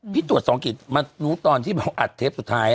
พี่ตรวจสองกิตมาหนูตอนที่อัดเทปสุดท้าย